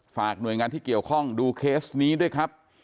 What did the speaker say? ฝากหน่วยงานที่เกี่ยวข้องดูเคสนี้ด้วยครับ